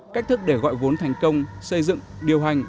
cách thức để gọi vốn thành công xây dựng điều hành